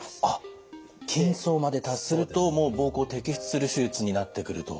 筋層まで達するともう膀胱摘出する手術になってくると。